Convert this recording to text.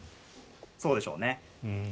そうでしょうね。